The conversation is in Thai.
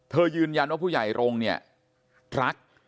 ยืนยันว่าผู้ใหญ่รงค์เนี่ยรัก